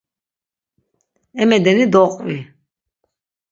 Emedeni doqvi!